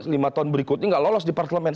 lima tahun berikutnya nggak lolos di parlemen